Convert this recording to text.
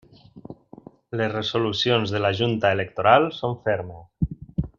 Les resolucions de la Junta Electoral són fermes.